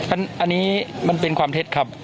อันนี้มันเป็นความเท็จครับ